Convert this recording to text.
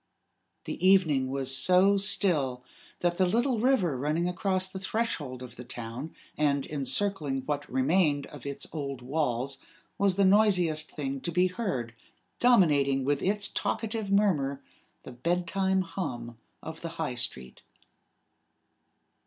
The evening was so still that the little river running across the threshold of the town, and encircling what remained of its old walls, was the noisiest thing to be heard, dominating with its talkative murmur the bedtime hum of the High Street.